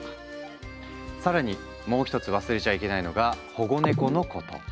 更にもう一つ忘れちゃいけないのが「保護猫」のこと。